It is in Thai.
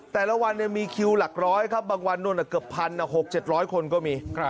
แต่ละวันมีคิวหลักร้อยครับบางวันเกือบพันหกเจ็ดร้อยคนก็มี